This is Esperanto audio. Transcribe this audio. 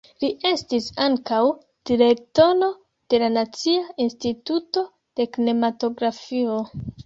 Li estis ankaŭ direktoro de la Nacia Instituto de Kinematografio.